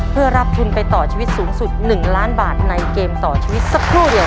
เพื่อรับทุนไปต่อชีวิตสูงสุด๑ล้านบาทในเกมต่อชีวิตสักครู่เดียว